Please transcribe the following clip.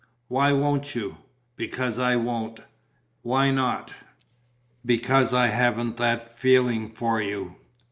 "Why won't you?" "Because I won't." "Why not?" "Because I haven't that feeling for you."